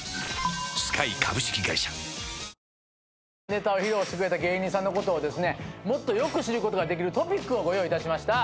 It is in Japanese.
ネタを披露してくれた芸人さんのことをですねもっとよく知ることができるトピックをご用意いたしました。